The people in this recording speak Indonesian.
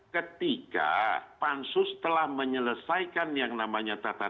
ketika pansus telah menyelesaikan yang namanya tata tertib tadi